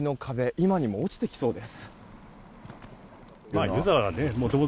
今にも落ちてきそうです。